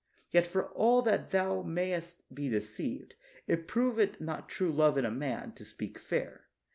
Yet for all that thou mayest be deceived. It proveth not true love in a man, to speak fair.